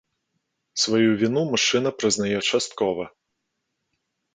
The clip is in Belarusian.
Сваю віну мужчына прызнае часткова.